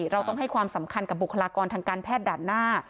เราต้องให้ความสำคัญกับบุคลากรทางการแพทย์ด่านหน้า